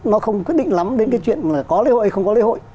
nó không quyết định lắm đến cái chuyện là có lễ hội hay không có lễ hội